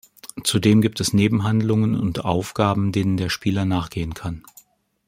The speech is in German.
Zudem gibt es Nebenhandlungen und -aufgaben, denen der Spieler nachgehen kann.